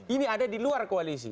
ini ada di luar koalisi